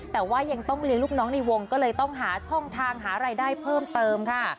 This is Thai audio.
แต่ว่ายังต้องเลี้ยงลูกน้องในวงก็เลยต้องหาช่องทางหารายได้เพิ่มเติมค่ะ